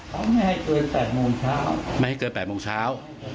เขาไม่ให้เกินแปดโมงเช้าไม่ให้เกินแปดโมงเช้าไม่ให้เกินแปดโมงเช้า